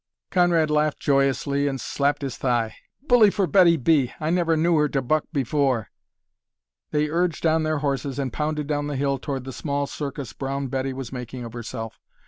Conrad laughed joyously and slapped his thigh. "Bully for Betty B! I never knew her to buck before." They urged on their horses and pounded down the hill toward the small circus Brown Betty was making of herself.